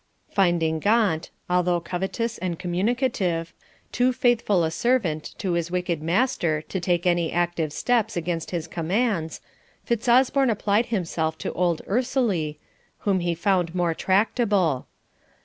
Finding Gaunt, although covetous and communicative, too faithful a servant to his wicked master to take any active steps against his commands, Fitzosborne applied himself to old Ursely, whom he found more tractable.